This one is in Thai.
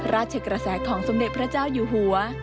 กระแสของสมเด็จพระเจ้าอยู่หัว